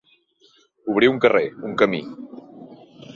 Obrir un carrer, un camí.